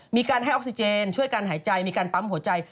มีการให้ออกซิเจนช่วยการหายใจมีการปั๊มหัวใจ